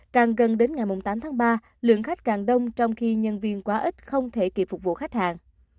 càng gần đến ngày tám tháng ba lượng khách càng đông trong khi nhân viên quá ít không thể kịp phục vụ khách hàng